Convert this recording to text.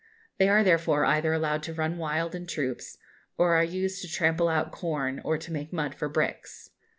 They are therefore either allowed to run wild in troops, or are used to trample out corn or to make mud for bricks.